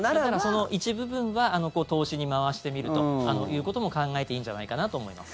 その一部分は投資に回してみるということも考えていいんじゃないかなと思います。